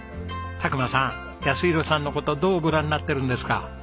琢磨さん泰弘さんの事どうご覧になっているんですか？